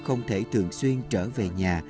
họ không thể thường xuyên trở về nhà